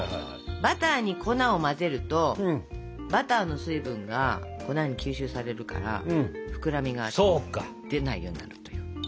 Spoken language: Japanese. バターに粉を混ぜるとバターの水分が粉に吸収されるから膨らみが出ないようになるという。